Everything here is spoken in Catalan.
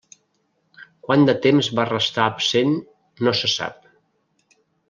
Quant de temps va restar absent, no se sap.